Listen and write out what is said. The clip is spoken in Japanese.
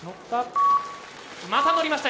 またのりました